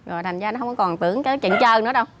rồi thành ra nó không còn tưởng cái chuyện chơi nữa đâu